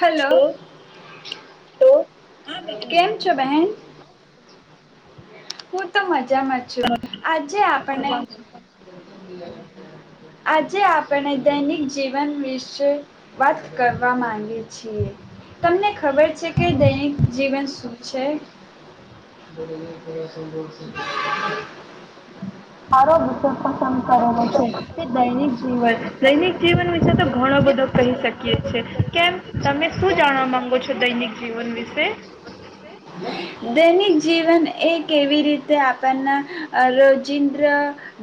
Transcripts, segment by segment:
હાલો, હા તો, બેન કેમ છો શું બહેન? [unintelligible] તો મજામાં છું આજે આપણે આજે આપણે દૈનિક જીવન વિશે વાત કરવા માંગે છીએ. તમને ખબર છે કે દૈનિક જીવન શું છે? [unintelligible] એ અસંભવ છે. મારો [unintelligible] તે દૈનિક જીવન, દૈનિક જીવન વિશે તો ઘણો બધો કહી શકીયે છે, કેમ તમે શું જાણવા માંગો છો દૈનિક જીવન વિશે? દૈનિક જીવન એ કેવી રીતે આપણના રોજિન્દ્ર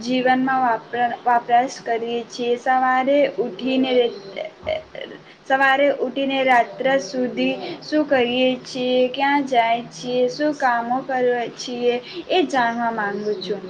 જીવ વનમાં વાપરા વપરાશ કરીએ છીએ, સવારે ઉઠીને [unintelligible] સવારે ઉઠીને રાત્રે સુધી શું કરીએ છીએ? ક્યાં જાય છીએ? શું કામો કરીયે છીએ? એ જાણવા માંગુ છું.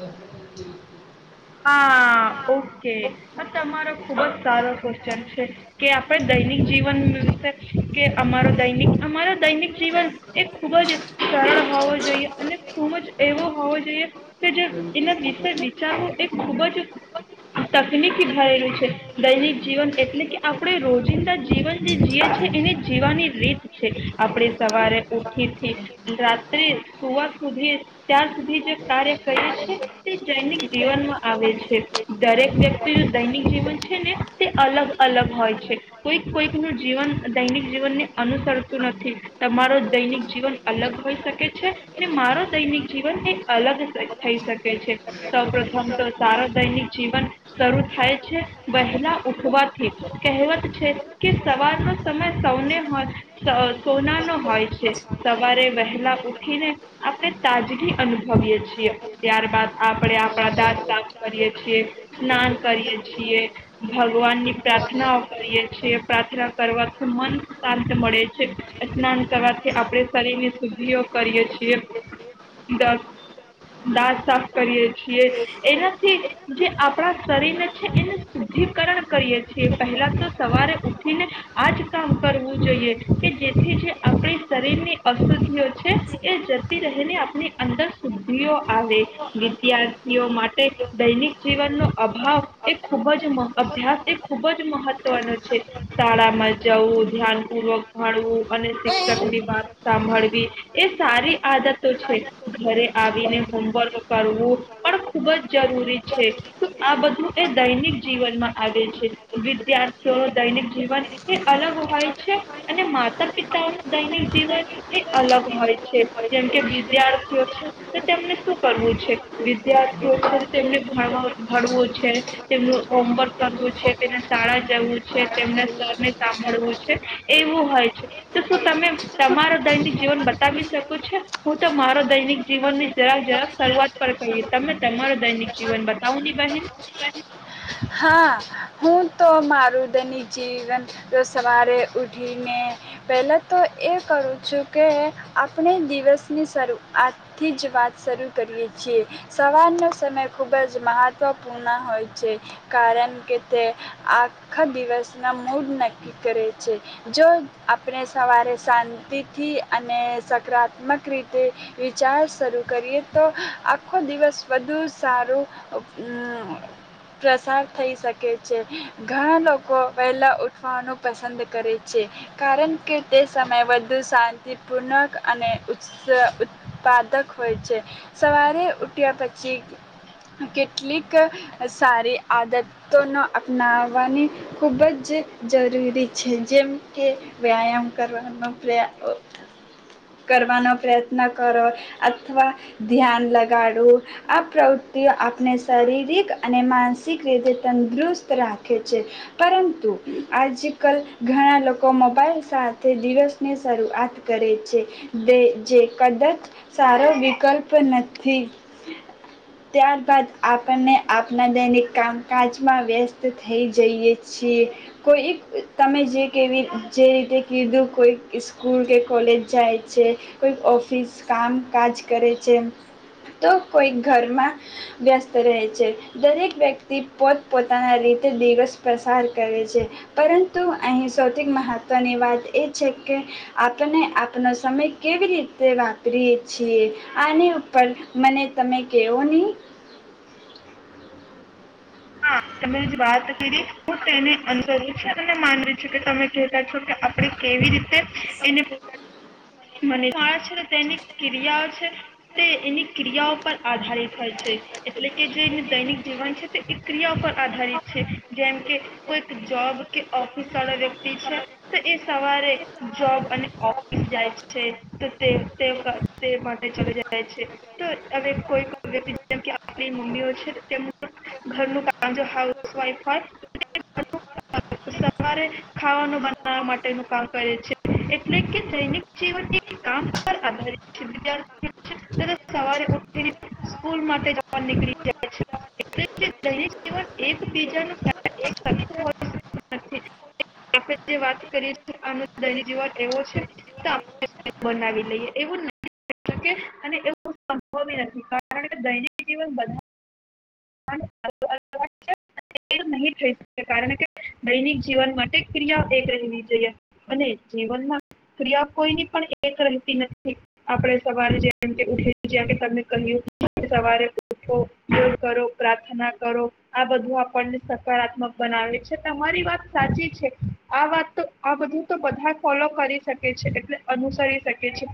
હા, ઓ કે, આ તમારો ખુબ જ સારો ક્વેશ્ચન છે કે આપણે દૈનિક જીવન વ વિશે કે અમારો દૈનિક અમારા દૈનિક જીવન એ ખૂબ જ સરળ હોવો જોઈએ અને ખૂબ જ એવો હોવો જોઈએ ત જો એના વિશે વિચારવુ [unintelligible] તકનીકી થયેલી છે, દૈનિક જીવન એટલે કે આપણે રોજિંદા જીવનને જીએ છે એને જીવાની રીત છે, આપડે સવારે ઉઠીથી રાત્રે સુવા સુધી ત્યાં સુધી જે કાર્ય કરીએ છીએ તે દૈનિક જીવનમાં આવે છે, દરેક વ્યક્તિનું દૈનિક જીવન છે ને તે અલગ અલગ હોય છે, કોઈક કોઈક નું જીવન દૈનિક જીવનને અનુસરતું નથી, તમારો દૈનિક જીવન અલગ હોઈ શકે છે ને મારો દૈનિક જીવન એ અલગ થઈ શકે છે, સૌ પ્રથમ તો સારો દૈનિક જીવન શરૂ થાય છે વહેલા ઉઠવાથી, કહેવત છે કે સવારનો સમય સૌને હોય સ અ સોનાનો હોય છે, સવારે વહેલા ઉઠીને આપણે તાજગી અનુભવીએ છીએ, ત્યારબદ આપણે આપણા દાંત સાફ કરીયે છીએ, સ્નાન કરીએ છીએ, ભગવાનની પ્રાર્થનાઓ કરીએ છીએ, પ્રાર્થના કરવાથી મન શાંત મળે છે, સ્નાન કરવાથી આપણે શરીરની શુદ્ધિઓ કરીએ છીએ, દાંત દાંત સાફ કરીએ છીએ. એનાથી જે આપણા શરીરને છે એનું શુદ્ધિકરણ કરીએ છીએ, પહેલા તો સવારે ઉઠીને આ જ કામ કરવું જોઈએ કે જેથી જે આપણી શરીરની અશુદ્ધિઓ છે એ જતી રહીને આપની અંદર શુદ્ધિઓ આવે વિદ્યાર્થીઓ મા ટે દૈનિક જીવનનો અભાવ એ ખૂબ જ મહ અભ્યાસ એ ખૂબ જ મહત્વનો છે, શાળામાં જવું, ધ્યાન પૂર્વક ભણવું અને શિક્ષકની વાત સાંભળવી એ સારી આદતો છે, ઘરે આવીને હોમવર્ક કરવું પણ [unintelligible] ખૂબ જ જરૂરી છે, તો આ બધું એ દૈનિક જીવનમાં આવે છે, વિદ્યાર્થીઓનું દૈનિક જીવન એ અલગ હોય છે અને માતા પિતાઓનું દૈનિક જીવન એ અલગ હોય છે, જેમ કે વિદ્યાર્થીઓ છે તો તેમને શું કરવું છે? વિદ્યા થીઓ છે તેમને ભણવા ભણવુ છે, તેમનું હોમવર્ક કરવું છે, તેમને શાળા જવું છે, તેમને સરને સાંભળવું છે, એવું હોય છે તો શું તમે તમારો દૈનિક જીવન બતાવી શકો છો? હું તો મારો દૈનિક જીવનની જરાક જરાક શરૂઆત પર કહી, તમે તમારો દૈનિક જીવન બતાવું ની બહેન. હા હું તો મારું દૈનિક જીવન સવારે ઉઠીને પહેલા તો એ કરું છું કે આપણે દિવસની શરૂ આજથી જ વાત શરૂ કરીએ છીએ, સવારનો સમય ખૂબ જ મહત્વપૂર્ણ હોય છે. કારણ કે તે આખા દિવસના મૂડ નક્કી કરે છે. જો આપણે સવારે શાંતિથી અને સકરાત્મક રીતે વિચાર સ્વરૂપ કરીએ તો આ આખો દિવસ બધું જ સારું અમ પ્રસાર થઈ શકે છે. ઘણા લોકો વહેલાં ઉઠવાનું પસંદ કરે છે. કારણ કે તે સમયે વધુ શાંતિપૂર્ણક અને ઉત્સ ઉત્પાદક હોય છે. સવારે ઉઠ્યા પછી કેટલીક અહ સારી આદતોનો અપનાવવાની ખૂબ જ જરૂરી છે. જેમ કે વ્યાયામ કરવાનો, પ્રયા અહ કરવાનો, પ્રયત્ન કરો અથવા ધ્યાન લગાડવું આ પ્રવૃત્તિઓ આપને શારીરિક અને માનસિક રીતે તંદુરુસ્ત રાખે છે. પરંતુ આજકલ ઘણા લોકો મોબાઈલ સાથે દિવસની શરૂઆત કરે છે. તે જે કદાચ સારો વિકલ્પ નથી. ત્યારબાદ આપણને આપના દૈનિક કામકાજમાં વ્યસ્ત થઈ જઈએ છીએ. કોઈક તમે જે કેવી જે રીતે કીધું કોઈ સ્કૂલ કે કોલેજ જાય છે, કોઈક ઓફિસ કામકાજ કરે છે, તો કોઈક ઘરમાં વ્યસ્ત રહે છે. દરેક વ્યક્તિ પોત પોતાના રીતે દિવસ પસાર કરે છે. પરંતુ અહીં સૌથી મહત્વની વાત એ છે કે આપને આપનો સમય કેવી રીતે વાપરીએ છીએ આની ઉપર મને તમે કેવોને. હા, તમે જે વાત કરી હું તેને અનુસરું છે, અને માનું છું કે તમે જે તે [unintelligible] આપણે કેવી રીતે એને [unintelligible] મને તો આ છે ને તેની ક્રિયાઓ છે તે એની ક્રિયાઓ પર આધારિત હોય છે. એટલે કે જે એની દૈનિક જીવન છે તે એ ક્રિયા ઉપર આધારિત છે, જેમ કે કોઈક જોબ કે ઓફિસ વાળો વ્યક્તિ છે, તો એ સવારે જોબ અને ઓફિસ જાય છે તો તે તે મા તે માટે ચલી જાય છે, તો હવે કોઈક [unintelligible] જેમ કે આપણી મમ્મીઓ છે તેમનું ઘરનું કામ જો હાઉસવાઈફ હોય, [unintelligible] સવારે ખાવાનું બનાવવા માટેનું કામ કરે છે, એટલે કે દૈનિક જીવન એ કામ પર આધારિત છે. [unintelligible] સવારે ઊઠીને સ્કૂલ માટે જાવા નીકળી જાય છે, એટલે દૈનિક કે જીવન એક બીજાનું [unintelligible] આપણે જે વાત કરીએ છીએ તે [unintelligible] જીવન એવો છે. તો આપણે [unintelligible] બનાવી લઈએ. એવું નથી હોતું કે અને એવું સંભવ એ નથી કારણ કે દૈનિક જીવન બધાં [unintelligible] નહીં થઈ શકે, કારણ કે દૈનિક જીવન માટે ક્રિયા એક રહેવી જોઈએ. અને જીવનમાં ક્રિયા કોઈની પણ એક રહેતી નથી. આપણે સવારે જેમ કે ઉઠીએ જેમ કે તમને કહ્યું સવારે ઉઠો, યોગ કરો. પ્રાર્થના કરો. આ બધું આપણને સકારાત્મક બનાવે છે. તમારી વાત સાચી છે. આ વાત તો આ બધું તો બધા જ ફોલો કરી શકે છે, એટલે અનુસરી શકે છે.